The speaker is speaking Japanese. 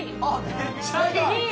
めっちゃいい！